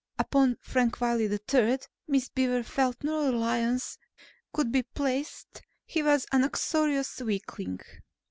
Upon Frank Wiley III Miss Beaver felt no reliance could be placed; he was an uxorious weakling.